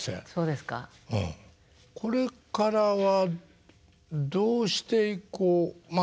これからはどうしていこうまあ